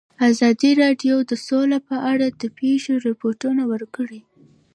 ازادي راډیو د سوله په اړه د پېښو رپوټونه ورکړي.